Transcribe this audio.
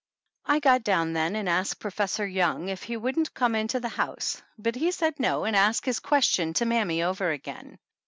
I got down then and asked Professor Young if he wouldn't come into the house, but he said no and asked his question to mammy over again.